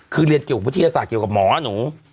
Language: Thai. คือเรียนเกี่ยววิทยาศาสตร์เกี่ยวกับหมอหนู